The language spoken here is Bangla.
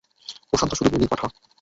প্রশান্ত শুধু বলির পাঁঠা।